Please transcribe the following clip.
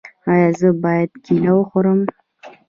ایا زه باید کیله وخورم؟